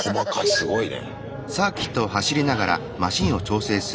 すごいね。